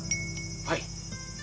はい。